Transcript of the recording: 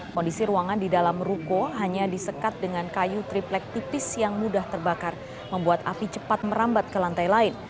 kondisi ruangan di dalam ruko hanya disekat dengan kayu triplek tipis yang mudah terbakar membuat api cepat merambat ke lantai lain